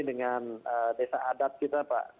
dengan desa adat kita pak